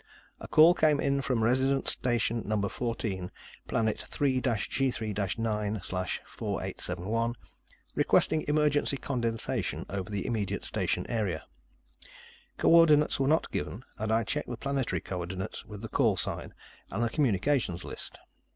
A call came in from Resident Station number fourteen, Planet 3 G3 9/4871, requesting emergency condensation over the immediate station area. Co ordinates were not given and I checked the planetary co ordinates with the call sign and the Communications List.